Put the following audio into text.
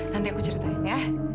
nanti aku ceritain ya